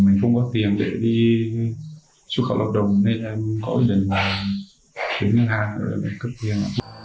mình không có tiền để đi xuất khẩu lao động nên em có ý định là đến ngân hàng để cướp tiền